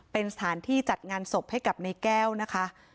เป็นสถานที่จัดงานศพให้กับในแก้วนะคะ